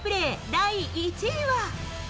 第１位は。